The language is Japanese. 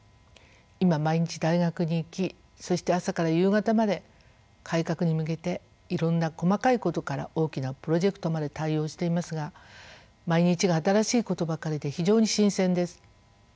今毎日大学に行きそして朝から夕方まで改革に向けていろんな細かいことから大きなプロジェクトまで対応していますが毎日が新しいことばかりで非常に新鮮です。